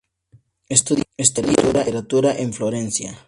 Estudia literatura en Florencia.